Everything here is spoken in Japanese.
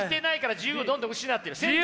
自由をどんどん失ってる。